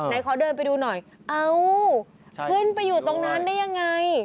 ขอเดินไปดูหน่อยเอ้าขึ้นไปอยู่ตรงนั้นได้ยังไง